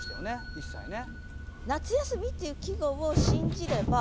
一切ね。